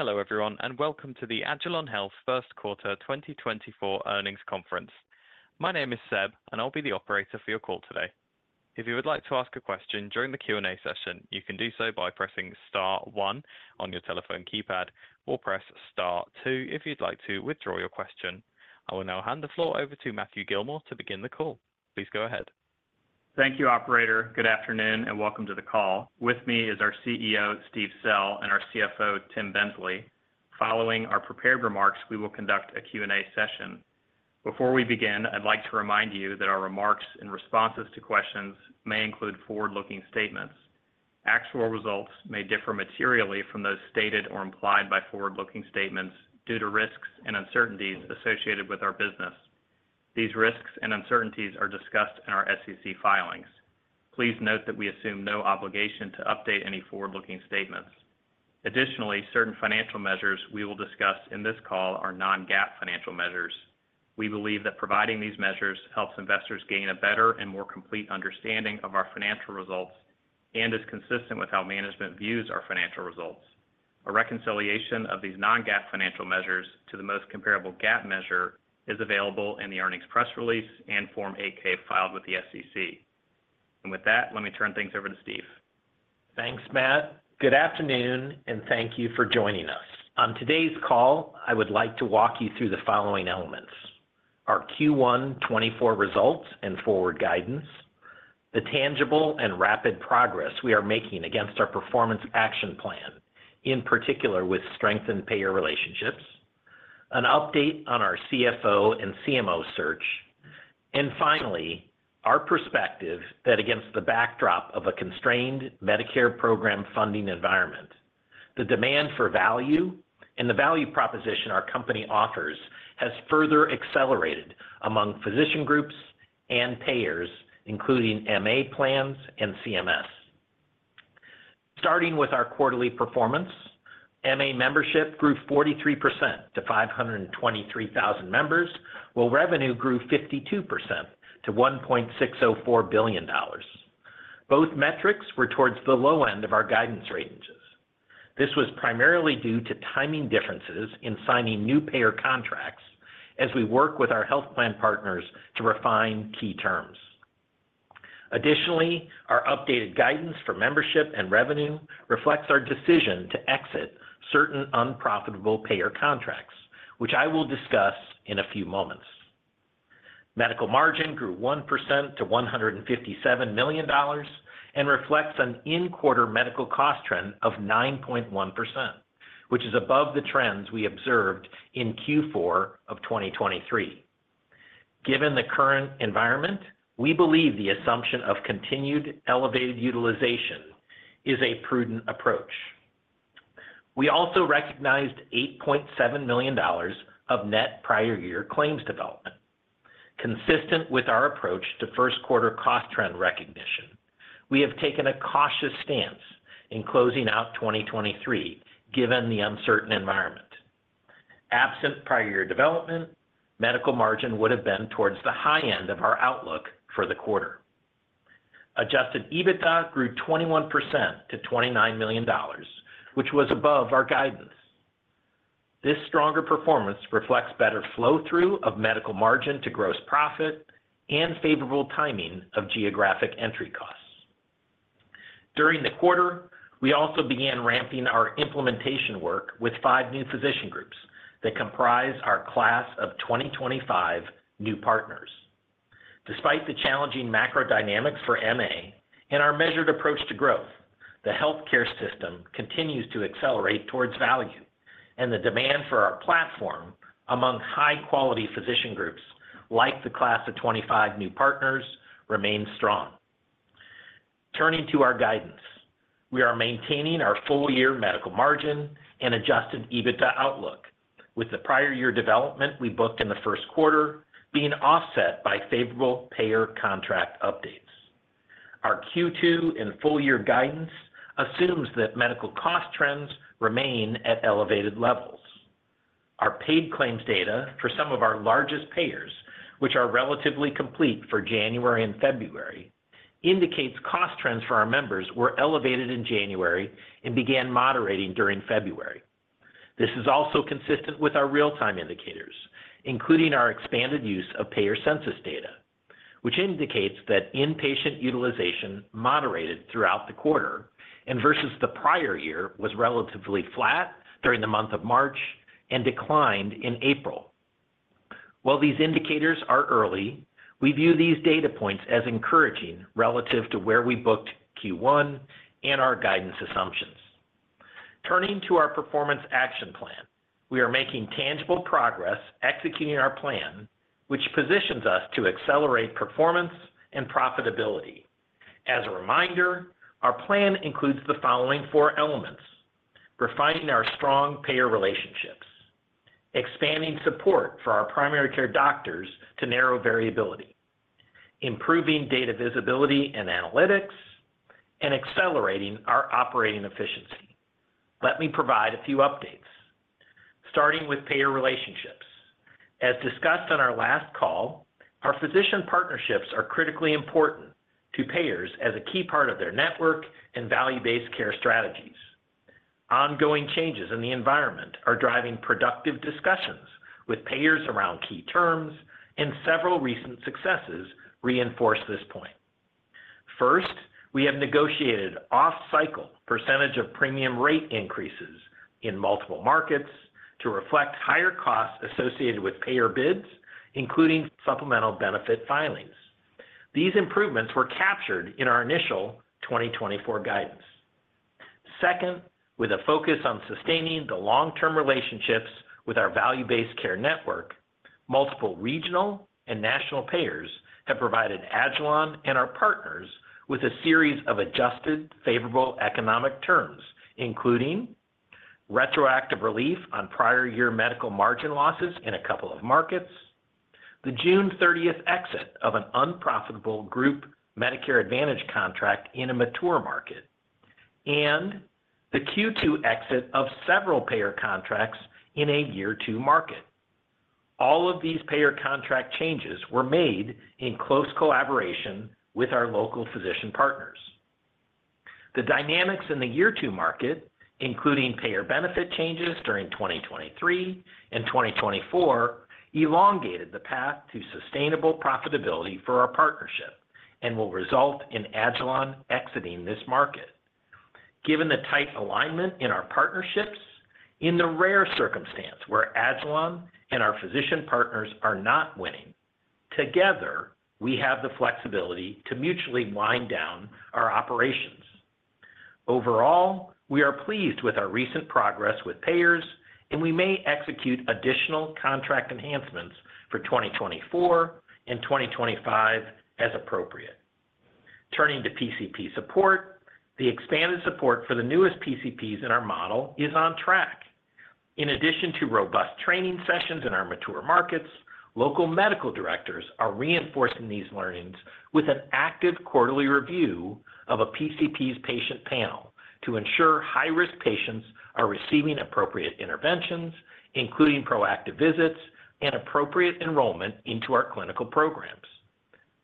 Hello, everyone, and welcome to the Agilon Health First Quarter 2024 Earnings Conference. My name is Seb, and I'll be the operator for your call today. If you would like to ask a question during the Q&A session, you can do so by pressing star one on your telephone keypad, or press star two if you'd like to withdraw your question. I will now hand the floor over to Matthew Gillmor to begin the call. Please go ahead. Thank you, operator. Good afternoon, and welcome to the call. With me is our CEO, Steve Sell, and our CFO, Tim Bensley. Following our prepared remarks, we will conduct a Q&A session. Before we begin, I'd like to remind you that our remarks and responses to questions may include forward-looking statements. Actual results may differ materially from those stated or implied by forward-looking statements due to risks and uncertainties associated with our business. These risks and uncertainties are discussed in our SEC filings. Please note that we assume no obligation to update any forward-looking statements. Additionally, certain financial measures we will discuss in this call are non-GAAP financial measures. We believe that providing these measures helps investors gain a better and more complete understanding of our financial results and is consistent with how management views our financial results. A reconciliation of these non-GAAP financial measures to the most comparable GAAP measure is available in the earnings press release and Form 8-K filed with the SEC. With that, let me turn things over to Steve. Thanks, Matt. Good afternoon, and thank you for joining us. On today's call, I would like to walk you through the following elements: Our Q1 2024 results and forward guidance, the tangible and rapid progress we are making against our performance action plan, in particular with strengthened payer relationships, an update on our CFO and CMO search, and finally, our perspective that against the backdrop of a constrained Medicare program funding environment, the demand for value and the value proposition our company offers has further accelerated among physician groups and payers, including MA plans and CMS. Starting with our quarterly performance, MA membership grew 43% to 523,000 members, while revenue grew 52% to $1.604 billion. Both metrics were towards the low end of our guidance ranges. This was primarily due to timing differences in signing new payer contracts as we work with our health plan partners to refine key terms. Additionally, our updated guidance for membership and revenue reflects our decision to exit certain unprofitable payer contracts, which I will discuss in a few moments. Medical margin grew 1% to $157 million and reflects an in-quarter medical cost trend of 9.1%, which is above the trends we observed in Q4 of 2023. Given the current environment, we believe the assumption of continued elevated utilization is a prudent approach. We also recognized $8.7 million of net prior year claims development. Consistent with our approach to first quarter cost trend recognition, we have taken a cautious stance in closing out 2023, given the uncertain environment. Absent prior year development, medical margin would have been towards the high end of our outlook for the quarter. Adjusted EBITDA grew 21% to $29 million, which was above our guidance. This stronger performance reflects better flow-through of medical margin to gross profit and favorable timing of geographic entry costs. During the quarter, we also began ramping our implementation work with 5 new physician groups that comprise our Class of 2025 new partners. Despite the challenging macro dynamics for MA and our measured approach to growth, the healthcare system continues to accelerate towards value, and the demand for our platform among high-quality physician groups, like the Class of 2025 new partners, remains strong. Turning to our guidance, we are maintaining our full-year medical margin and adjusted EBITDA outlook, with the prior year development we booked in the first quarter being offset by favorable payer contract updates. Our Q2 and full year guidance assumes that medical cost trends remain at elevated levels. Our paid claims data for some of our largest payers, which are relatively complete for January and February, indicates cost trends for our members were elevated in January and began moderating during February. This is also consistent with our real-time indicators, including our expanded use of payer census data, which indicates that inpatient utilization moderated throughout the quarter, and versus the prior year, was relatively flat during the month of March and declined in April. While these indicators are early, we view these data points as encouraging relative to where we booked Q1 and our guidance assumptions. Turning to our performance action plan, we are making tangible progress executing our plan, which positions us to accelerate performance and profitability. As a reminder, our plan includes the following four elements: refining our strong payer relationships, expanding support for our primary care doctors to narrow variability, improving data visibility and analytics, and accelerating our operating efficiency. Let me provide a few updates.... Starting with payer relationships. As discussed on our last call, our physician partnerships are critically important to payers as a key part of their network and value-based care strategies. Ongoing changes in the environment are driving productive discussions with payers around key terms, and several recent successes reinforce this point. First, we have negotiated off-cycle percentage of premium rate increases in multiple markets to reflect higher costs associated with payer bids, including supplemental benefit filings. These improvements were captured in our initial 2024 guidance. Second, with a focus on sustaining the long-term relationships with our value-based care network, multiple regional and national payers have provided Agilon and our partners with a series of adjusted favorable economic terms, including retroactive relief on prior-year medical margin losses in a couple of markets, the June 30 exit of an unprofitable group Medicare Advantage contract in a mature market, and the Q2 exit of several payer contracts in a year two market. All of these payer contract changes were made in close collaboration with our local physician partners. The dynamics in the year two market, including payer benefit changes during 2023 and 2024, elongated the path to sustainable profitability for our partnership and will result in Agilon exiting this market. Given the tight alignment in our partnerships, in the rare circumstance where Agilon and our physician partners are not winning, together, we have the flexibility to mutually wind down our operations. Overall, we are pleased with our recent progress with payers, and we may execute additional contract enhancements for 2024 and 2025 as appropriate. Turning to PCP support, the expanded support for the newest PCPs in our model is on track. In addition to robust training sessions in our mature markets, local medical directors are reinforcing these learnings with an active quarterly review of a PCP's patient panel to ensure high-risk patients are receiving appropriate interventions, including proactive visits and appropriate enrollment into our clinical programs.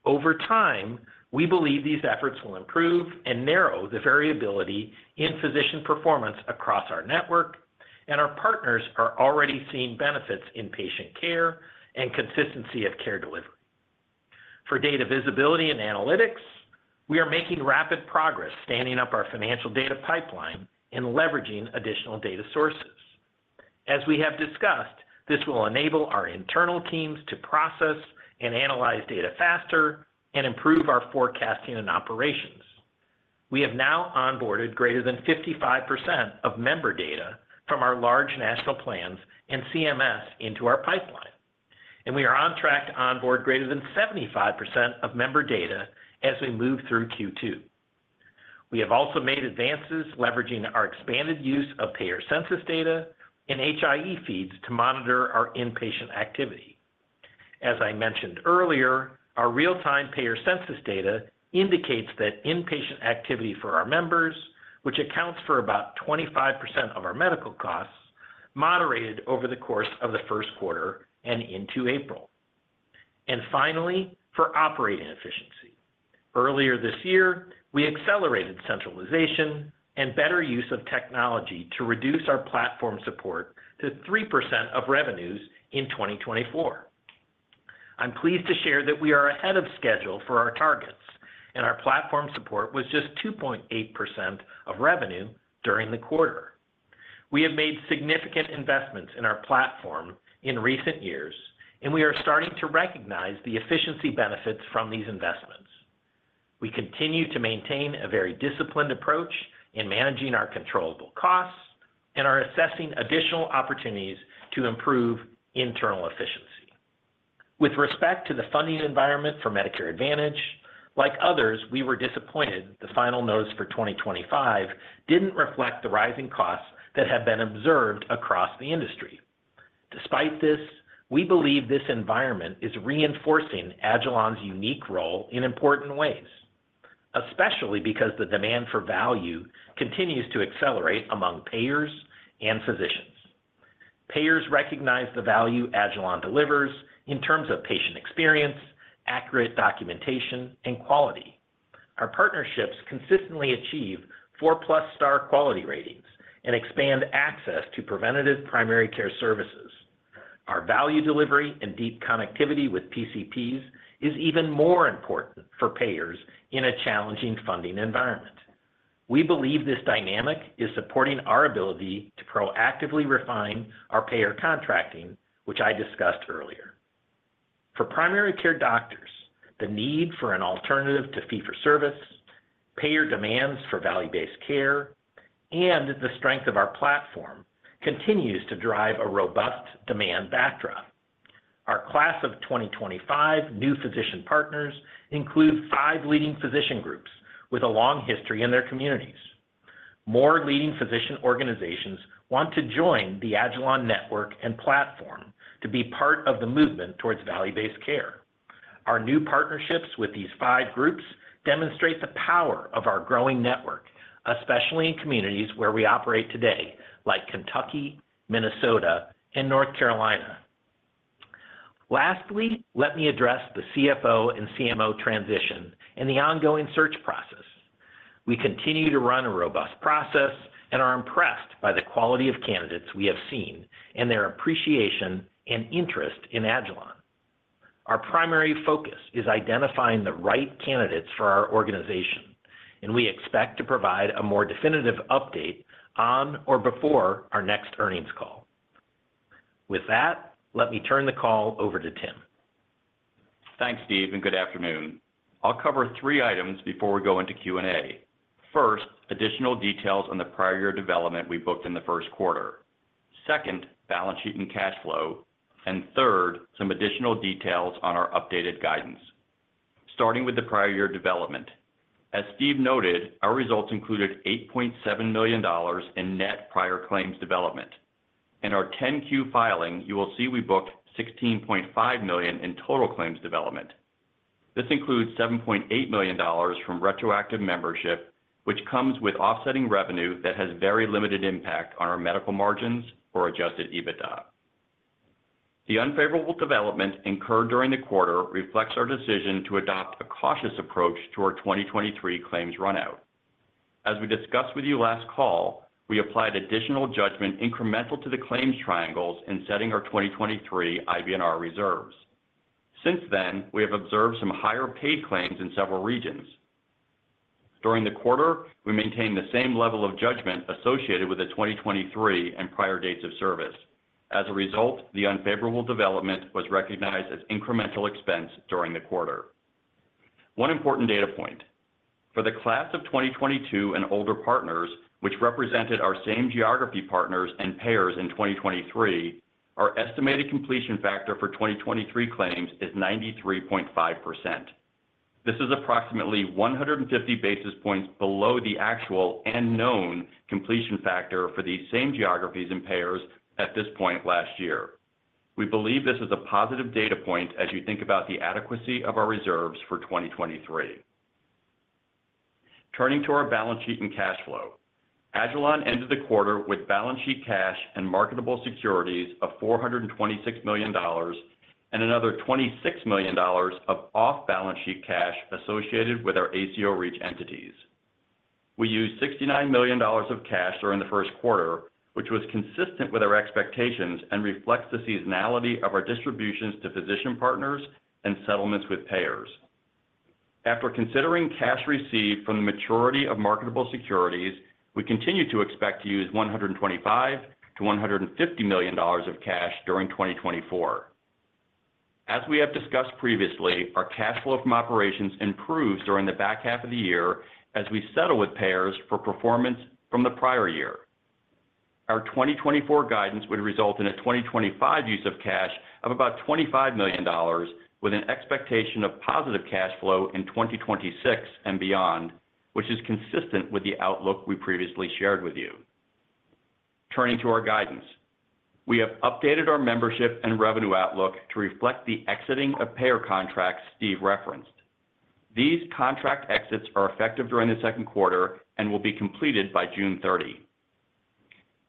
Over time, we believe these efforts will improve and narrow the variability in physician performance across our network, and our partners are already seeing benefits in patient care and consistency of care delivery. For data visibility and analytics, we are making rapid progress standing up our financial data pipeline and leveraging additional data sources. As we have discussed, this will enable our internal teams to process and analyze data faster and improve our forecasting and operations. We have now onboarded greater than 55% of member data from our large national plans and CMS into our pipeline, and we are on track to onboard greater than 75% of member data as we move through Q2. We have also made advances leveraging our expanded use of payer census data and HIE feeds to monitor our inpatient activity. As I mentioned earlier, our real-time payer census data indicates that inpatient activity for our members, which accounts for about 25% of our medical costs, moderated over the course of the first quarter and into April. Finally, for operating efficiency. Earlier this year, we accelerated centralization and better use of technology to reduce our platform support to 3% of revenues in 2024. I'm pleased to share that we are ahead of schedule for our targets, and our platform support was just 2.8% of revenue during the quarter. We have made significant investments in our platform in recent years, and we are starting to recognize the efficiency benefits from these investments. We continue to maintain a very disciplined approach in managing our controllable costs and are assessing additional opportunities to improve internal efficiency. With respect to the funding environment for Medicare Advantage, like others, we were disappointed the final notice for 2025 didn't reflect the rising costs that have been observed across the industry. Despite this, we believe this environment is reinforcing Agilon 's unique role in important ways, especially because the demand for value continues to accelerate among payers and physicians. Payers recognize the value Agilon delivers in terms of patient experience, accurate documentation, and quality. Our partnerships consistently achieve four-plus star quality ratings and expand access to preventative primary care services. Our value delivery and deep connectivity with PCPs is even more important for payers in a challenging funding environment. We believe this dynamic is supporting our ability to proactively refine our payer contracting, which I discussed earlier. For primary care doctors, the need for an alternative to fee-for-service, payer demands for value-based care, and the strength of our platform continues to drive a robust demand backdrop. Our Class of 2025 new physician partners include five leading physician groups with a long history in their communities. More leading physician organizations want to join the Agilon Network and platform to be part of the movement towards value-based care. Our new partnerships with these five groups demonstrate the power of our growing network, especially in communities where we operate today, like Kentucky, Minnesota, and North Carolina. Lastly, let me address the CFO and CMO transition and the ongoing search process. We continue to run a robust process and are impressed by the quality of candidates we have seen and their appreciation and interest in Agilon. Our primary focus is identifying the right candidates for our organization, and we expect to provide a more definitive update on or before our next earnings call. With that, let me turn the call over to Tim. Thanks, Steve, and good afternoon. I'll cover three items before we go into Q&A. First, additional details on the prior year development we booked in the first quarter. Second, balance sheet and cash flow. And third, some additional details on our updated guidance. Starting with the prior year development. As Steve noted, our results included $8.7 million in net prior claims development. In our 10-Q filing, you will see we booked $16.5 million in total claims development. This includes $7.8 million from retroactive membership, which comes with offsetting revenue that has very limited impact on our medical margins or Adjusted EBITDA. The unfavorable development incurred during the quarter reflects our decision to adopt a cautious approach to our 2023 claims runout. As we discussed with you last call, we applied additional judgment incremental to the claims triangles in setting our 2023 IBNR reserves. Since then, we have observed some higher paid claims in several regions. During the quarter, we maintained the same level of judgment associated with the 2023 and prior dates of service. As a result, the unfavorable development was recognized as incremental expense during the quarter. One important data point: for the Class of 2022 and older partners, which represented our same geography partners and payers in 2023, our estimated completion factor for 2023 claims is 93.5%. This is approximately 150 basis points below the actual and known completion factor for these same geographies and payers at this point last year. We believe this is a positive data point as you think about the adequacy of our reserves for 2023. Turning to our balance sheet and cash flow. Agilon ended the quarter with balance sheet cash and marketable securities of $426 million, and another $26 million of off-balance sheet cash associated with our ACO REACH entities. We used $69 million of cash during the first quarter, which was consistent with our expectations and reflects the seasonality of our distributions to physician partners and settlements with payers. After considering cash received from the maturity of marketable securities, we continue to expect to use $125 million-$150 million of cash during 2024. As we have discussed previously, our cash flow from operations improves during the back half of the year as we settle with payers for performance from the prior year. Our 2024 guidance would result in a 2025 use of cash of about $25 million, with an expectation of positive cash flow in 2026 and beyond, which is consistent with the outlook we previously shared with you. Turning to our guidance. We have updated our membership and revenue outlook to reflect the exiting of payer contracts Steve referenced. These contract exits are effective during the second quarter and will be completed by June 30.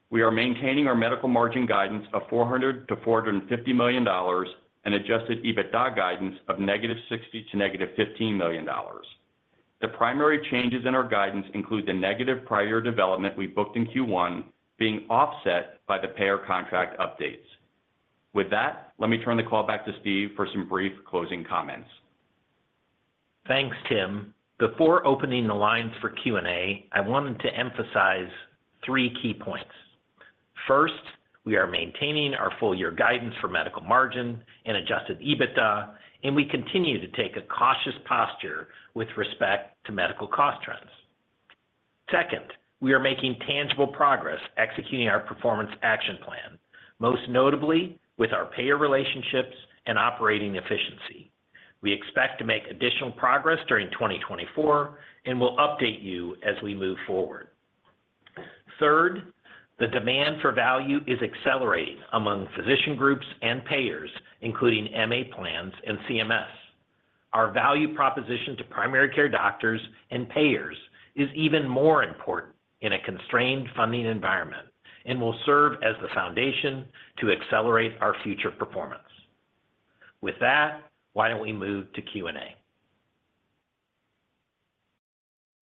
We are maintaining our Medical Margin guidance of $400 million-$450 million and Adjusted EBITDA guidance of -$60 million to -$15 million. The primary changes in our guidance include the negative prior development we booked in Q1 being offset by the payer contract updates. With that, let me turn the call back to Steve for some brief closing comments. Thanks, Tim. Before opening the lines for Q&A, I wanted to emphasize three key points. First, we are maintaining our full-year guidance for Medical Margin and Adjusted EBITDA, and we continue to take a cautious posture with respect to medical cost trends. Second, we are making tangible progress executing our performance action plan, most notably with our payer relationships and operating efficiency. We expect to make additional progress during 2024, and we'll update you as we move forward. Third, the demand for value is accelerating among physician groups and payers, including MA plans and CMS. Our value proposition to primary care doctors and payers is even more important in a constrained funding environment and will serve as the foundation to accelerate our future performance. With that, why don't we move to Q&A?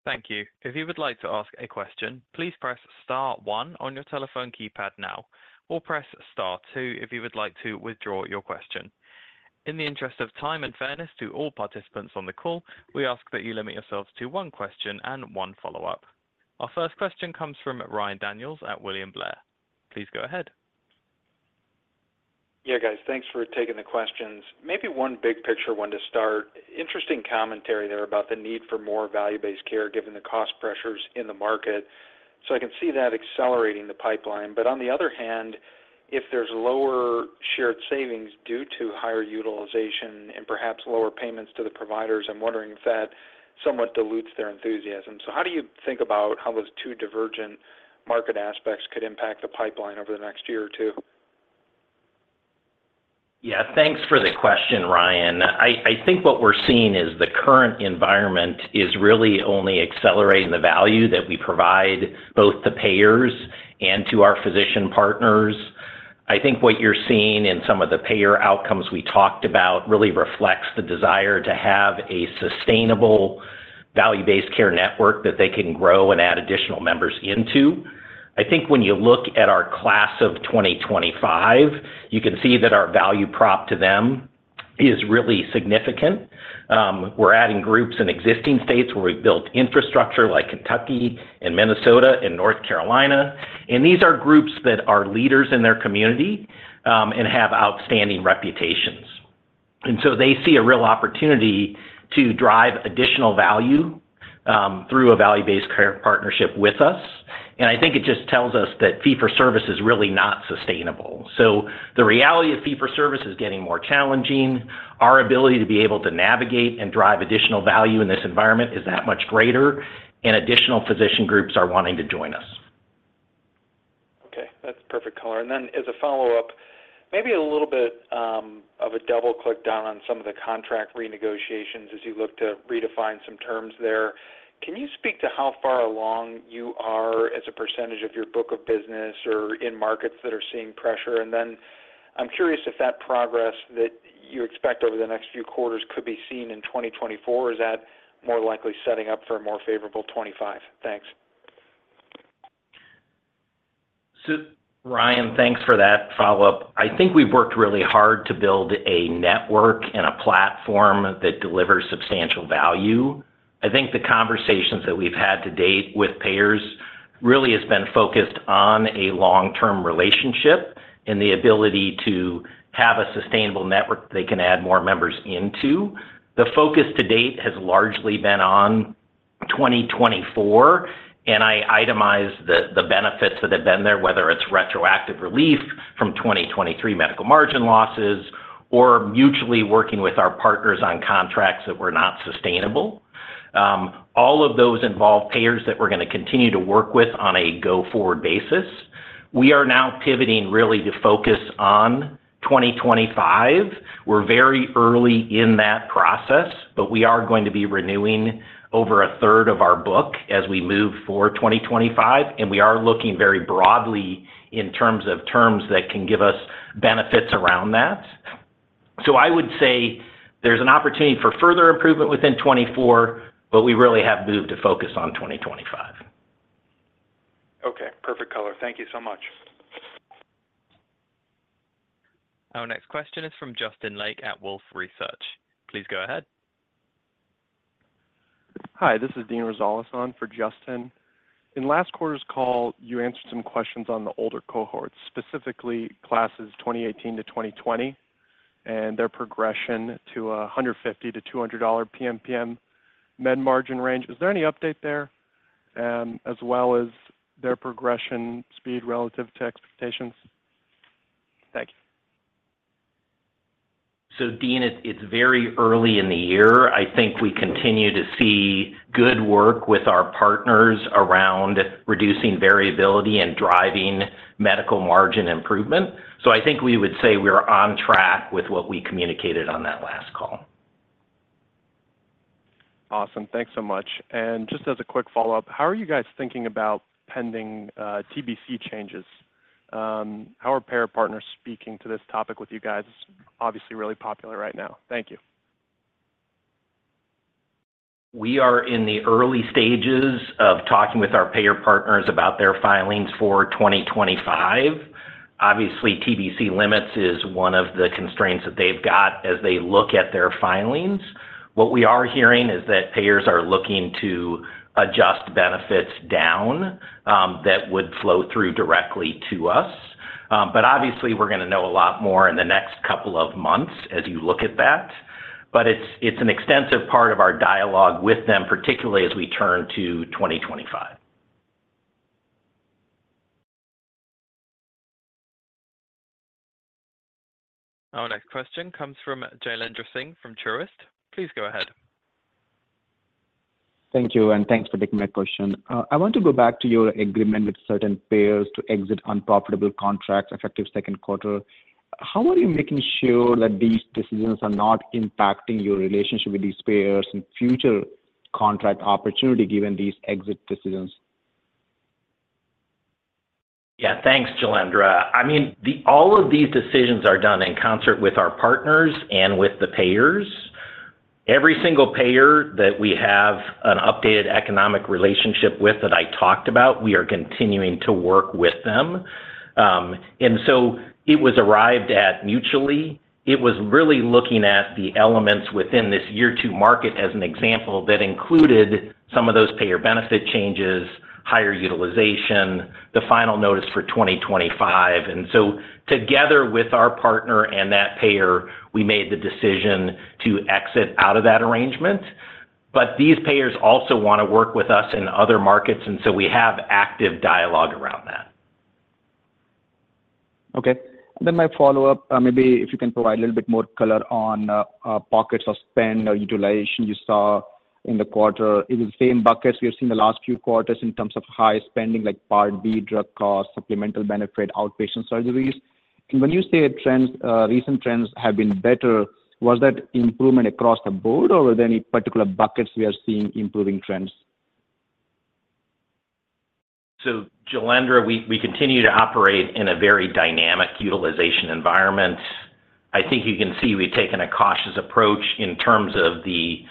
Thank you. If you would like to ask a question, please press star one on your telephone keypad now, or press star two if you would like to withdraw your question. In the interest of time and fairness to all participants on the call, we ask that you limit yourselves to one question and one follow-up. Our first question comes from Ryan Daniels at William Blair. Please go ahead. Yeah, guys, thanks for taking the questions. Maybe one big picture, one to start. Interesting commentary there about the need for more value-based care, given the cost pressures in the market. So I can see that accelerating the pipeline. But on the other hand, if there's lower shared savings due to higher utilization and perhaps lower payments to the providers, I'm wondering if that somewhat dilutes their enthusiasm. So how do you think about how those two divergent market aspects could impact the pipeline over the next year or two? Yeah, thanks for the question, Ryan. I think what we're seeing is the current environment is really only accelerating the value that we provide both to payers and to our physician partners. I think what you're seeing in some of the payer outcomes we talked about really reflects the desire to have a sustainable value-based care network that they can grow and add additional members into. I think when you look at our Class of 2025, you can see that our value prop to them is really significant. We're adding groups in existing states where we've built infrastructure, like Kentucky and Minnesota and North Carolina, and these are groups that are leaders in their community and have outstanding reputations. So they see a real opportunity to drive additional value through a value-based care partnership with us. I think it just tells us that fee-for-service is really not sustainable. The reality of fee-for-service is getting more challenging. Our ability to be able to navigate and drive additional value in this environment is that much greater, and additional physician groups are wanting to join us. Okay, that's perfect, Color. And then, as a follow-up, maybe a little bit of a double click down on some of the contract renegotiations as you look to redefine some terms there. Can you speak to how far along you are as a percentage of your book of business or in markets that are seeing pressure? And then I'm curious if that progress that you expect over the next few quarters could be seen in 2024, or is that more likely setting up for a more favorable 2025? Thanks. So, Ryan, thanks for that follow-up. I think we've worked really hard to build a network and a platform that delivers substantial value. I think the conversations that we've had to date with payers really has been focused on a long-term relationship and the ability to have a sustainable network they can add more members into. The focus to date has largely been on 2024, and I itemized the benefits that have been there, whether it's retroactive relief from 2023 Medical Margin losses or mutually working with our partners on contracts that were not sustainable. All of those involve payers that we're gonna continue to work with on a go-forward basis. We are now pivoting really to focus on 2025. We're very early in that process, but we are going to be renewing over a third of our book as we move for 2025, and we are looking very broadly in terms of terms that can give us benefits around that. So I would say there's an opportunity for further improvement within 2024, but we really have moved to focus on 2025. Okay. Perfect, Color. Thank you so much. Our next question is from Justin Lake at Wolfe Research. Please go ahead. Hi, this is [Dean Rozolis] on for Justin. In last quarter's call, you answered some questions on the older cohorts, specifically classes 2018 to 2020, and their progression to a $150-$200 PMPM med margin range. Is there any update there, as well as their progression speed relative to expectations? Thank you. So, Dean, it's very early in the year. I think we continue to see good work with our partners around reducing variability and driving medical margin improvement. So I think we would say we are on track with what we communicated on that last call. Awesome, thanks so much. Just as a quick follow-up, how are you guys thinking about pending TBC changes? How are payer partners speaking to this topic with you guys? It's obviously really popular right now. Thank you. We are in the early stages of talking with our payer partners about their filings for 2025. Obviously, TBC limits is one of the constraints that they've got as they look at their filings. What we are hearing is that payers are looking to adjust benefits down, that would flow through directly to us. But obviously, we're gonna know a lot more in the next couple of months as you look at that, but it's, it's an extensive part of our dialogue with them, particularly as we turn to 2025. Our next question comes from Jailendra Singh from Truist. Please go ahead. Thank you, and thanks for taking my question. I want to go back to your agreement with certain payers to exit unprofitable contracts, effective second quarter. How are you making sure that these decisions are not impacting your relationship with these payers and future contract opportunity, given these exit decisions? Yeah, thanks, Jailendra. I mean, all of these decisions are done in concert with our partners and with the payers. Every single payer that we have an updated economic relationship with, that I talked about, we are continuing to work with them. And so it was arrived at mutually. It was really looking at the elements within this year two market as an example, that included some of those payer benefit changes, higher utilization, the final notice for 2025. And so, together with our partner and that payer, we made the decision to exit out of that arrangement. But these payers also want to work with us in other markets, and so we have active dialogue around that. Okay, then my follow-up, maybe if you can provide a little bit more color on pockets of spend or utilization you saw in the quarter. In the same buckets we have seen the last few quarters in terms of high spending, like Part D, drug costs, supplemental benefit, outpatient surgeries. And when you say trends, recent trends have been better? Was that improvement across the board, or were there any particular buckets we are seeing improving trends? So, Jailendra, we continue to operate in a very dynamic utilization environment. I think you can see we've taken a cautious approach in terms of the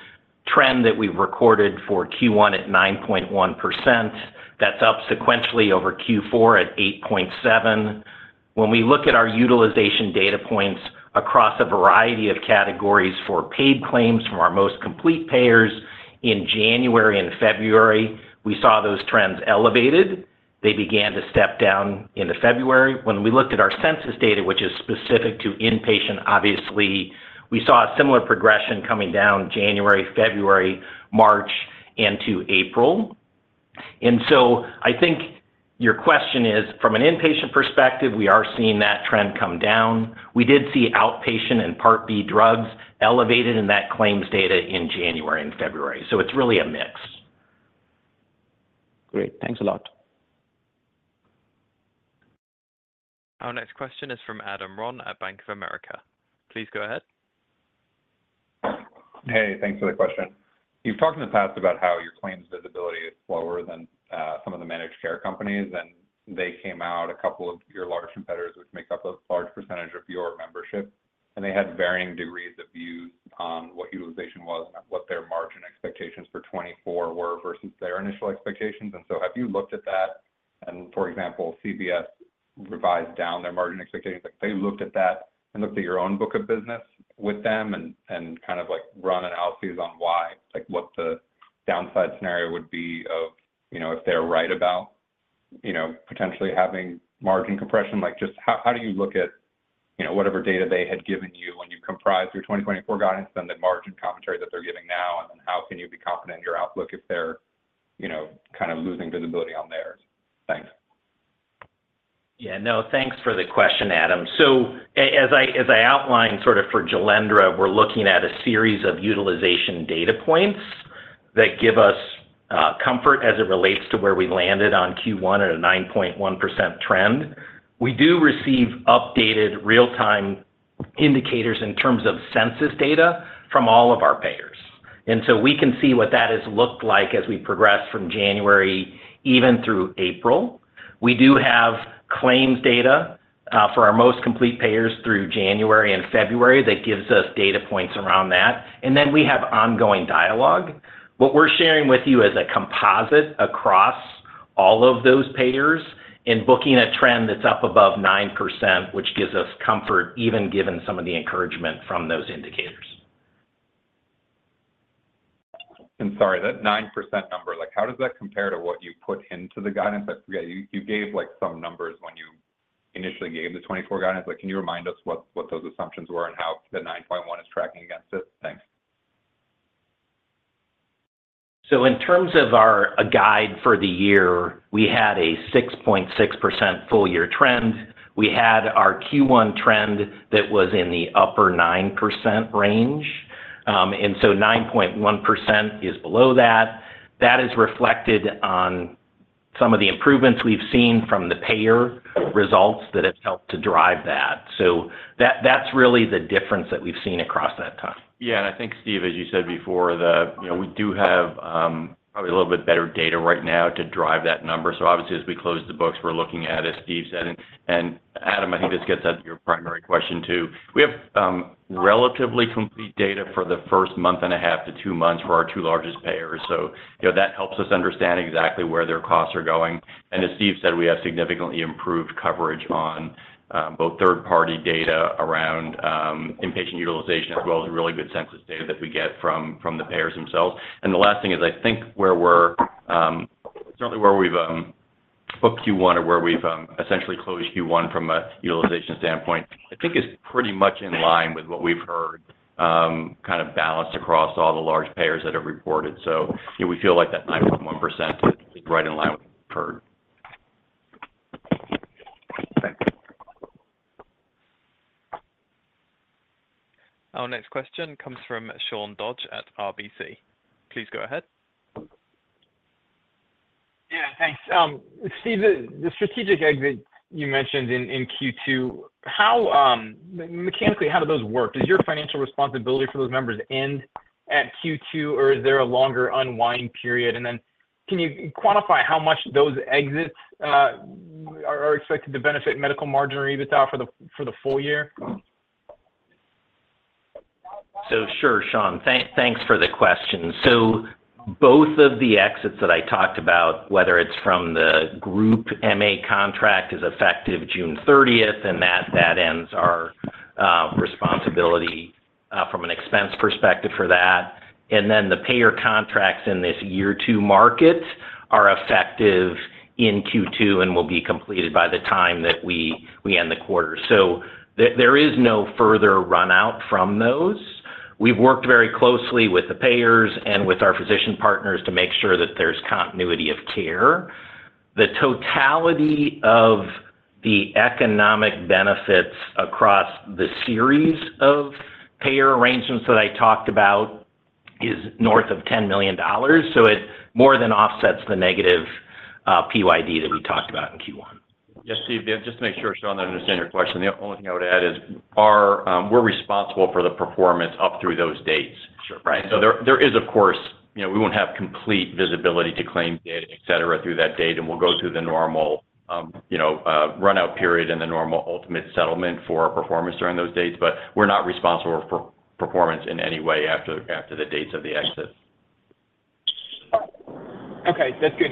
trend that we recorded for Q1 at 9.1%. That's up sequentially over Q4 at 8.7. When we look at our utilization data points across a variety of categories for paid claims from our most complete payers in January and February, we saw those trends elevated. They began to step down into February. When we looked at our census data, which is specific to inpatient, obviously, we saw a similar progression coming down January, February, March, into April. And so I think your question is, from an inpatient perspective, we are seeing that trend come down. We did see outpatient and Part B drugs elevated in that claims data in January and February. So it's really a mix. Great. Thanks a lot. Our next question is from Adam Ron at Bank of America. Please go ahead. Hey, thanks for the question. You've talked in the past about how your claims visibility is lower than some of the managed care companies, and they came out, a couple of your large competitors, which make up a large percentage of your membership, and they had varying degrees of views on what utilization was and what their margin expectations for 2024 were versus their initial expectations. And so have you looked at that? And, for example, CVS revised down their margin expectations. Like, they looked at that and looked at your own book of business with them and kind of, like, run analyses on why, like, what the downside scenario would be of, you know, if they're right about, you know, potentially having margin compression. Like, just how, how do you look at, you know, whatever data they had given you when you comprised your 2024 guidance, then the margin commentary that they're giving now, and then how can you be confident in your outlook if they're, you know, kind of losing visibility on theirs? Thanks. Yeah, no, thanks for the question, Adam. So as I outlined, sort of for Jailendra, we're looking at a series of utilization data points that give us comfort as it relates to where we landed on Q1 at a 9.1% trend. We do receive updated real-time indicators in terms of census data from all of our payers. And so we can see what that has looked like as we progress from January, even through April. We do have claims data for our most complete payers through January and February that gives us data points around that, and then we have ongoing dialogue. What we're sharing with you is a composite across all of those payers in booking a trend that's up above 9%, which gives us comfort, even given some of the encouragement from those indicators. And sorry, that 9% number, like, how does that compare to what you put into the guidance? I forget, you, you gave, like, some numbers when you initially gave the 2024 guidance. Like, can you remind us what, what those assumptions were and how the 9.1 is tracking against it? Thanks. So in terms of our guide for the year, we had a 6.6% full year trend. We had our Q1 trend that was in the upper 9% range. And so 9.1% is below that. That is reflected on some of the improvements we've seen from the payer results that have helped to drive that. So that, that's really the difference that we've seen across that time. Yeah, and I think, Steve, as you said before, the, you know, we do have, probably a little bit better data right now to drive that number. So obviously, as we close the books, we're looking at, as Steve said, and, and Adam, I think this gets at your primary question, too. We have, relatively complete data for the first month and a half to two months for our two largest payers. So, you know, that helps us understand exactly where their costs are going. And as Steve said, we have significantly improved coverage on, both third-party data around, inpatient utilization, as well as a really good census data that we get from, from the payers themselves. The last thing is, I think, where we're certainly where we've booked Q1 or where we've essentially closed Q1 from a utilization standpoint, I think is pretty much in line with what we've heard, kind of balanced across all the large payers that have reported. So we feel like that 9.1% is right in line with per. Thank you. Our next question comes from Sean Dodge at RBC. Please go ahead. Yeah, thanks. Steve, the strategic exit you mentioned in Q2, how mechanically do those work? Does your financial responsibility for those members end at Q2, or is there a longer unwind period? And then can you quantify how much those exits are expected to benefit medical margin or EBITDA for the full year? So, sure, Sean, thanks for the question. So both of the exits that I talked about, whether it's from the group MA contract, is effective June thirtieth, and that ends our responsibility from an expense perspective for that. And then the payer contracts in this year two market are effective in Q2 and will be completed by the time that we end the quarter. So there is no further run out from those.... We've worked very closely with the payers and with our physician partners to make sure that there's continuity of care. The totality of the economic benefits across the series of payer arrangements that I talked about is north of $10 million, so it more than offsets the negative PYD that we talked about in Q1. Yes, Steve, just to make sure Sean, I'm understanding your question. The only thing I would add is our, we're responsible for the performance up through those dates. Sure. Right? So there is, of course, you know, we won't have complete visibility to claim data, et cetera, through that date, and we'll go through the normal, you know, run-out period and the normal ultimate settlement for our performance during those dates. But we're not responsible for performance in any way after the dates of the exits. Okay, that's good.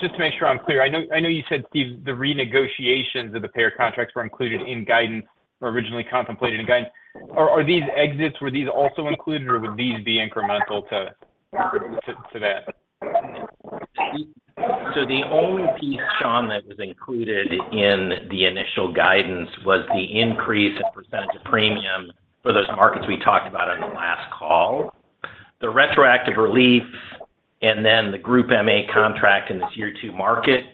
Just to make sure I'm clear, I know you said, Steve, the renegotiations of the payer contracts were included in guidance or originally contemplated in guidance. Are these exits also included, or would these be incremental to that? So the only piece, Sean, that was included in the initial guidance was the increase in percentage of premium for those markets we talked about on the last call. The retroactive relief, and then the group MA contract in this year two market,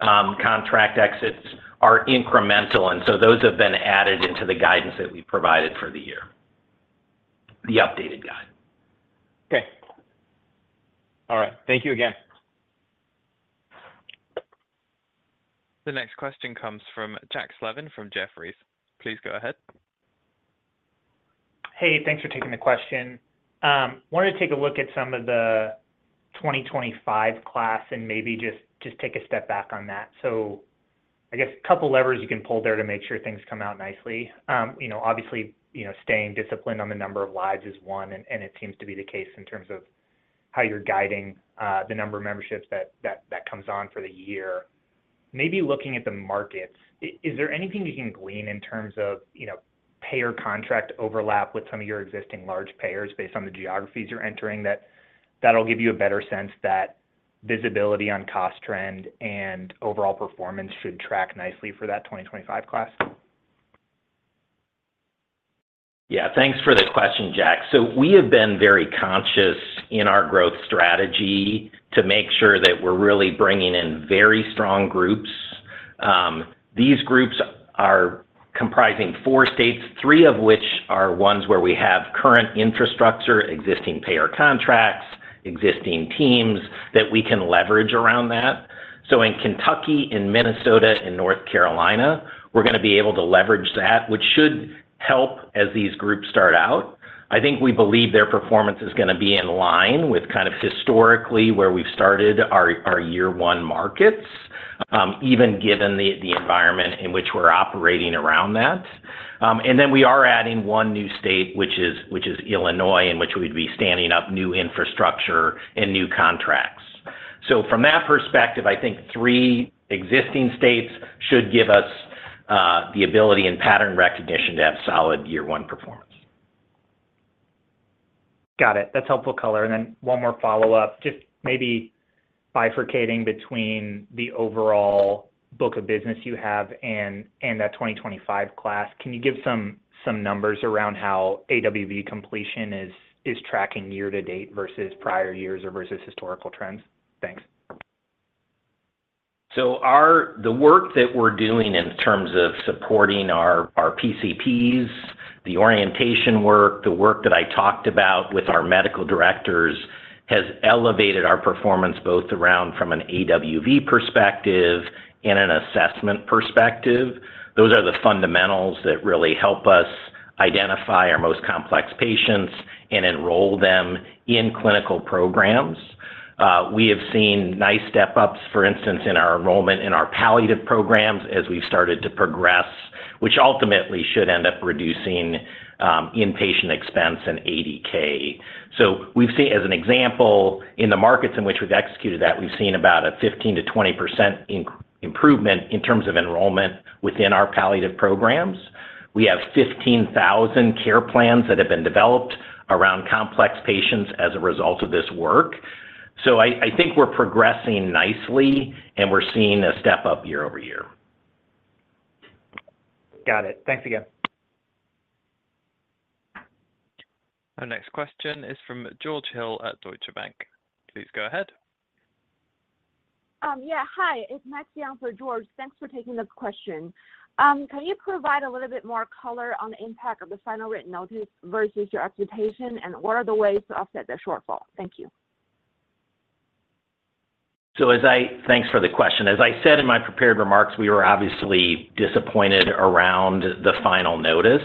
contract exits are incremental, and so those have been added into the guidance that we provided for the year. The updated guide. Okay. All right. Thank you again. The next question comes from Jack Slevin, from Jefferies. Please go ahead. Hey, thanks for taking the question. Wanted to take a look at some of the 2025 class and maybe just take a step back on that. So I guess a couple levels you can pull there to make sure things come out nicely. You know, obviously, you know, staying disciplined on the number of lives is one, and it seems to be the case in terms of how you're guiding the number of memberships that comes on for the year. Maybe looking at the markets, is there anything you can glean in terms of, you know, payer contract overlap with some of your existing large payers based on the geographies you're entering, that'll give you a better sense that visibility on cost trend and overall performance should track nicely for that 2025 class? Yeah, thanks for the question, Jack. So we have been very conscious in our growth strategy to make sure that we're really bringing in very strong groups. These groups are comprising four states, three of which are ones where we have current infrastructure, existing payer contracts, existing teams that we can leverage around that. So in Kentucky, in Minnesota, and North Carolina, we're gonna be able to leverage that, which should help as these groups start out. I think we believe their performance is gonna be in line with kind of historically, where we've started our year one markets, even given the environment in which we're operating around that. And then we are adding one new state, which is Illinois, in which we'd be standing up new infrastructure and new contracts. From that perspective, I think three existing states should give us the ability and pattern recognition to have solid year one performance. Got it. That's helpful color. And then one more follow-up, just maybe bifurcating between the overall book of business you have and that 2025 class. Can you give some numbers around how AWV completion is tracking year to date versus prior years or versus historical trends? Thanks. So the work that we're doing in terms of supporting our, our PCPs, the orientation work, the work that I talked about with our medical directors, has elevated our performance both around from an AWV perspective and an assessment perspective. Those are the fundamentals that really help us identify our most complex patients and enroll them in clinical programs. We have seen nice step-ups, for instance, in our enrollment, in our palliative programs as we've started to progress, which ultimately should end up reducing inpatient expense and ADK. So we've seen as an example, in the markets in which we've executed that, we've seen about a 15%-20% improvement in terms of enrollment within our palliative programs. We have 15,000 care plans that have been developed around complex patients as a result of this work. I think we're progressing nicely, and we're seeing a step up year-over-year. Got it. Thanks again. Our next question is from George Hill at Deutsche Bank. Please go ahead. Yeah, hi. It's Maxion for George. Thanks for taking the question. Can you provide a little bit more color on the impact of the final written notice versus your expectation, and what are the ways to offset the shortfall? Thank you. So, thanks for the question. As I said in my prepared remarks, we were obviously disappointed around the final notice.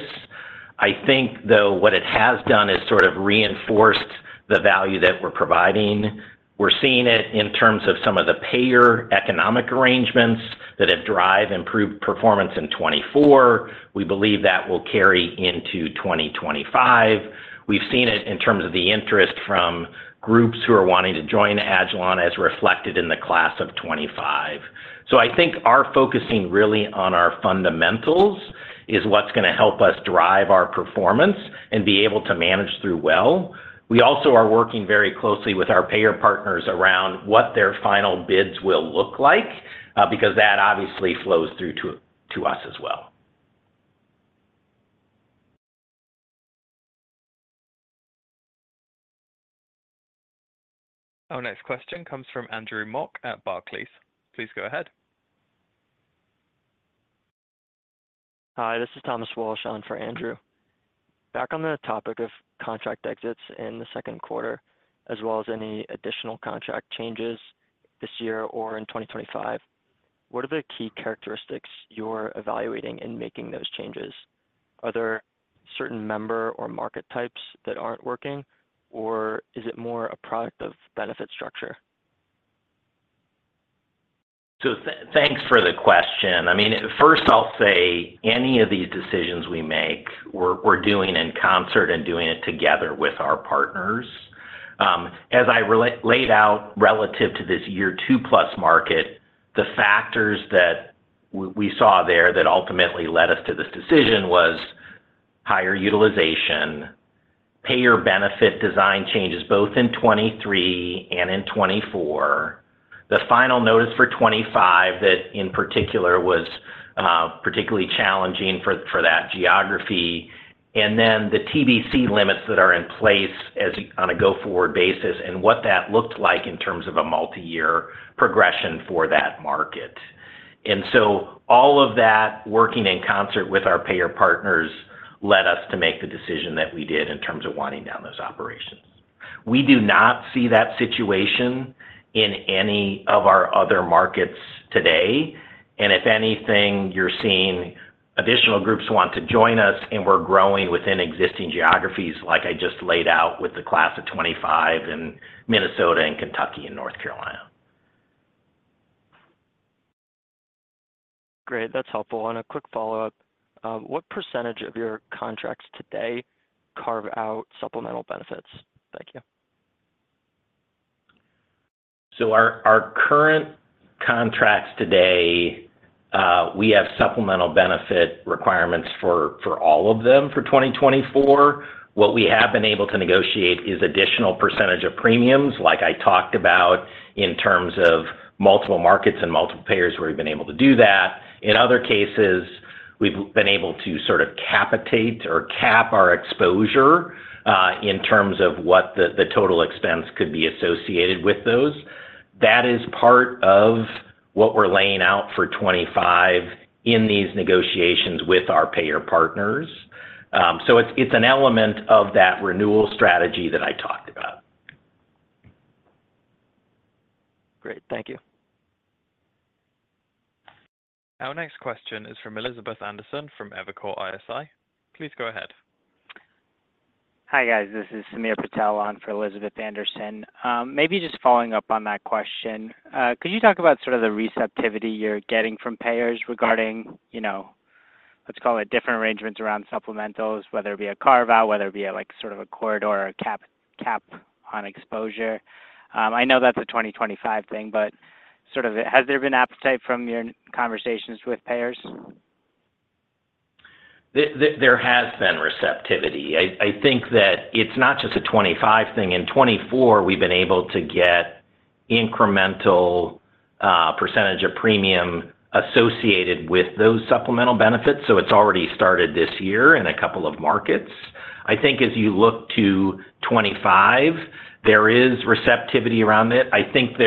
I think, though, what it has done is sort of reinforced the value that we're providing. We're seeing it in terms of some of the payer economic arrangements that have driven improved performance in 2024. We believe that will carry into 2025. We've seen it in terms of the interest from groups who are wanting to join Agilon, as reflected in the Class of 2025. So I think our focusing really on our fundamentals is what's gonna help us drive our performance and be able to manage through well. We also are working very closely with our payer partners around what their final bids will look like, because that obviously flows through to us as well. Our next question comes from Andrew Mok at Barclays. Please go ahead. Hi, this is Thomas Walsh on for Andrew. Back on the topic of contract exits in the second quarter, as well as any additional contract changes this year or in 2025, what are the key characteristics you're evaluating in making those changes? Are there certain member or market types that aren't working, or is it more a product of benefit structure? So thanks for the question. I mean, first, I'll say any of these decisions we make, we're doing in concert and doing it together with our partners. As I laid out relative to this year two plus market, the factors that we saw there that ultimately led us to this decision was higher utilization, payer benefit design changes, both in 2023 and in 2024. The final notice for 2025, that in particular, was particularly challenging for that geography, and then the TBC limits that are in place on a go-forward basis, and what that looked like in terms of a multi-year progression for that market. And so all of that, working in concert with our payer partners, led us to make the decision that we did in terms of winding down those operations. We do not see that situation in any of our other markets today, and if anything, you're seeing additional groups want to join us, and we're growing within existing geographies, like I just laid out with the class of 2025 in Minnesota and Kentucky and North Carolina. Great, that's helpful. A quick follow-up. What percentage of your contracts today carve out supplemental benefits? Thank you. So our current contracts today, we have supplemental benefit requirements for all of them for 2024. What we have been able to negotiate is additional percentage of premiums, like I talked about in terms of multiple markets and multiple payers, where we've been able to do that. In other cases, we've been able to sort of capitate or cap our exposure, in terms of what the total expense could be associated with those. That is part of what we're laying out for 2025 in these negotiations with our payer partners. So it's an element of that renewal strategy that I talked about. Great. Thank you. Our next question is from Elizabeth Anderson from Evercore ISI. Please go ahead. Hi, guys. This is Sameer Patel on for Elizabeth Anderson. Maybe just following up on that question. Could you talk about sort of the receptivity you're getting from payers regarding, you know, let's call it, different arrangements around supplementals, whether it be a carve-out, whether it be a, like, sort of a corridor or a cap, cap on exposure? I know that's a 2025 thing, but sort of, has there been appetite from your conversations with payers? There has been receptivity. I think that it's not just a 25 thing. In 2024, we've been able to get incremental percentage of premium associated with those supplemental benefits, so it's already started this year in a couple of markets. I think as you look to 2025, there is receptivity around it. I think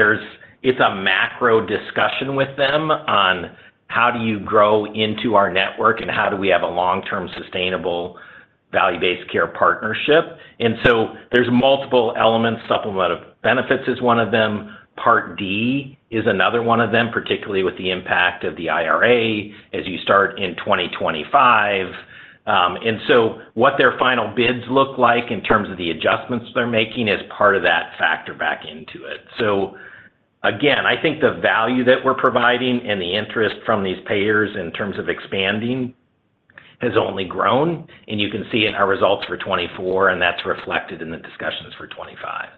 it's a macro discussion with them on: How do you grow into our network, and how do we have a long-term, sustainable, value-based care partnership? And so there's multiple elements. Supplemental benefits is one of them. Part D is another one of them, particularly with the impact of the IRA as you start in 2025. And so what their final bids look like in terms of the adjustments they're making is part of that factor back into it. So again, I think the value that we're providing and the interest from these payers in terms of expanding, has only grown, and you can see in our results for 2024, and that's reflected in the discussions for 2025.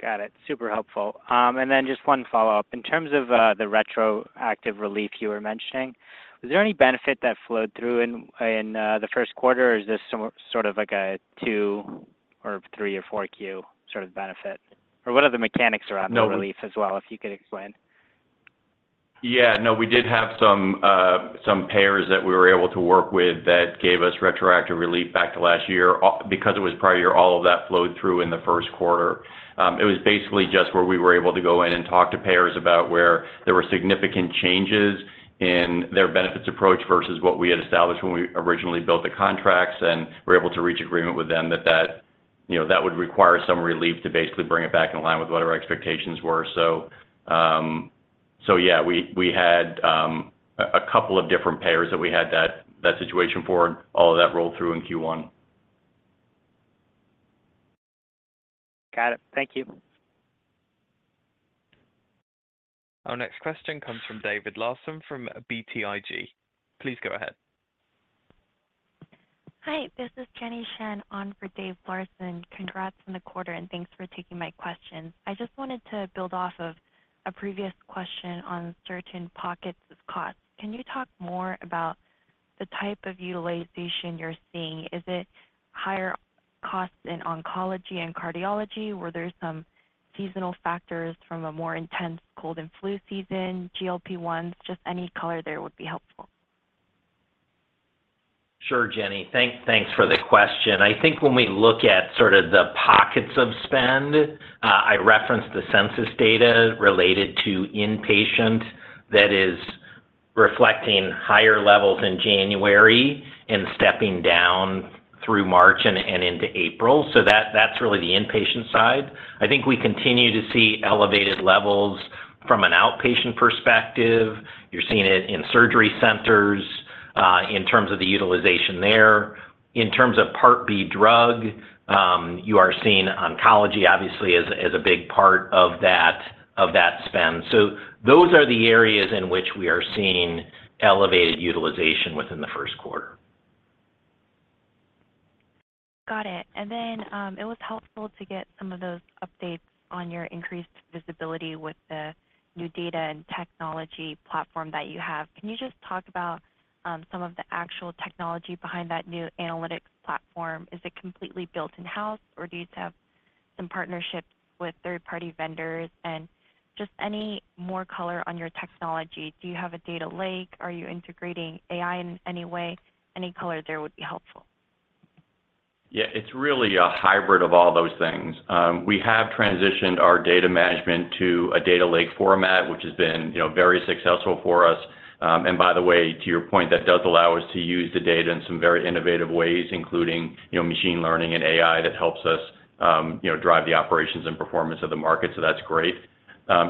Got it. Super helpful. And then just one follow-up. In terms of the retroactive relief you were mentioning, was there any benefit that flowed through in the first quarter, or is this some sort of like a two or three or four Q sort of benefit? Or what are the mechanics around- No The relief as well, if you could explain? Yeah. No, we did have some payers that we were able to work with that gave us retroactive relief back to last year. Because it was prior year, all of that flowed through in the first quarter. It was basically just where we were able to go in and talk to payers about where there were significant changes in their benefits approach versus what we had established when we originally built the contracts. And we were able to reach agreement with them that, you know, that would require some relief to basically bring it back in line with what our expectations were. So, yeah, we had a couple of different payers that we had that situation for. All of that rolled through in Q1. Got it. Thank you. Our next question comes from David Larson, from BTIG. Please go ahead. Hi, this is Jenny Shen on for David Larson. Congrats on the quarter, and thanks for taking my questions. I just wanted to build off of a previous question on certain pockets of cost. Can you talk more about the type of utilization you're seeing? Is it higher costs in oncology and cardiology? Were there some seasonal factors from a more intense cold and flu season, GLP-1s? Just any color there would be helpful. Sure, Jenny. Thanks for the question. I think when we look at sort of the pockets of spend, I referenced the census data related to inpatient that is reflecting higher levels in January and stepping down through March and into April. So that's really the inpatient side. I think we continue to see elevated levels from an outpatient perspective. You're seeing it in surgery centers in terms of the utilization there. In terms of Part B drug, you are seeing oncology, obviously, as a big part of that spend. So those are the areas in which we are seeing elevated utilization within the first quarter. Got it. And then, it was helpful to get some of those updates on your increased visibility with the new data and technology platform that you have. Can you just talk about, some of the actual technology behind that new analytics platform? Is it completely built in-house, or do you have some partnerships with third-party vendors? And just any more color on your technology. Do you have a data lake? Are you integrating AI in any way? Any color there would be helpful. Yeah, it's really a hybrid of all those things. We have transitioned our data management to a data lake format, which has been, you know, very successful for us. And by the way, to your point, that does allow us to use the data in some very innovative ways, including, you know, machine learning and AI, that helps us, you know, drive the operations and performance of the market, so that's great.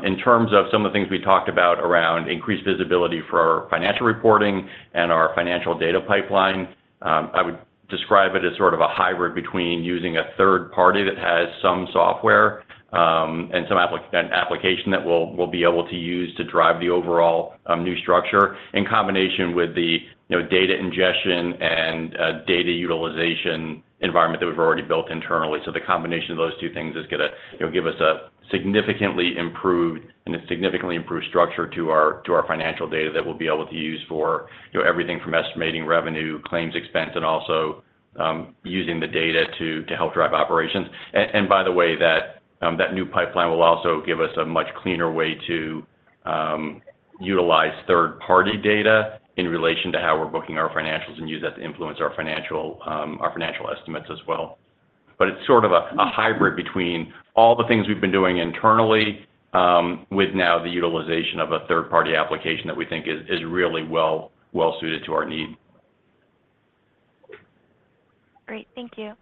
In terms of some of the things we talked about around increased visibility for our financial reporting and our financial data pipeline, I would describe it as sort of a hybrid between using a third party that has some software and an application that we'll be able to use to drive the overall new structure, in combination with the, you know, data ingestion and data utilization environment that we've already built internally. So the combination of those two things is gonna, you know, give us a significantly improved and a significantly improved structure to our, to our financial data that we'll be able to use for, you know, everything from estimating revenue, claims, expense, and also using the data to, to help drive operations. And by the way, that new pipeline will also give us a much cleaner way to utilize third-party data in relation to how we're booking our financials and use that to influence our financial estimates as well. But it's sort of a hybrid between all the things we've been doing internally with now the utilization of a third-party application that we think is really well suited to our needs. Great. Thank you.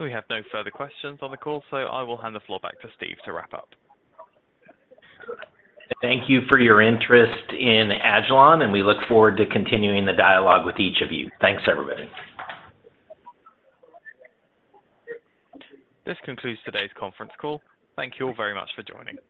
We have no further questions on the call, so I will hand the floor back to Steve to wrap up. Thank you for your interest in Agilon, and we look forward to continuing the dialogue with each of you. Thanks, everybody. This concludes today's conference call. Thank you all very much for joining.